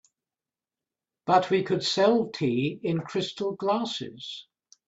But we could sell tea in crystal glasses.